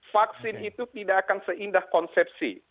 vaksin itu tidak akan seindah konsepsi